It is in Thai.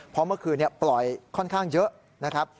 เพราะเมื่อคืนปล่อยค่อนข้างเยอะนะครับ